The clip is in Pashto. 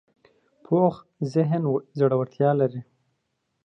پوخ ذهن زړورتیا لري